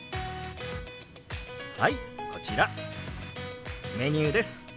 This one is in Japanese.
はいこちらメニューです。